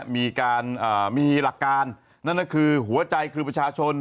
มีการมีหลักการนั่นก็คือหัวใจคือประชาชน